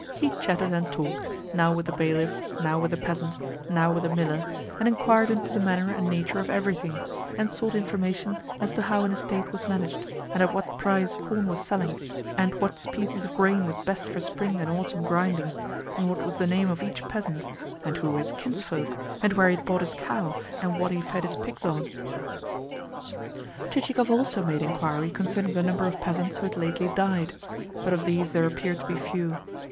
He chatted and talked, now with the bailiff, now with a peasant, now with a miller, and inquired into the manner and nature of everything, and sought information as to how an estate was managed, and at what price corn was selling, and what species of grain was best for spring and autumn grinding, and what was the name of each peasant, and who were his kinsfolk, and where he had bought his cow, and what he fed his pigs on. Chichikov also made inquiry concerning the number of peasants who had lately died: but of these there appeared to be few.